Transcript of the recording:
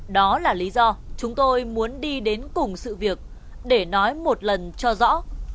đó là lý do chúng tôi muốn đi đến cùng sự việc để nói một lần cho rõ